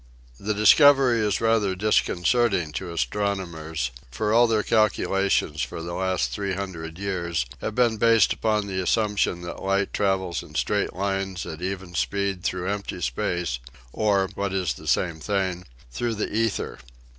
* The discovery is rather disconcerting to astrono mers, for all their calculations for the last three hun dred years have been based upon the assumption that light travels in straight lines at even speed through empty space or, what is tne same thing, through the ether.